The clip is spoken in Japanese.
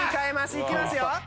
いきますよ。